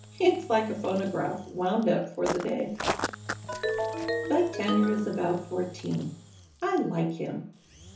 It's like a phonograph wound up for the day. Bud Tanner is about fourteen, and I like him.